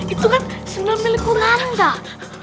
itu kan senil milik ulang dah